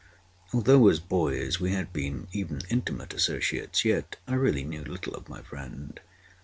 Although, as boys, we had been even intimate associates, yet I really knew little of my friend.